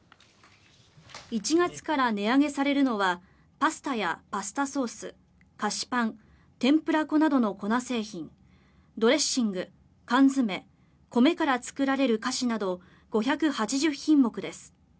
１月から値上げされるのはパスタやパスタソース、菓子パン天ぷら粉などの粉製品ドレッシング、缶詰米から作られる菓子など５８０品目です。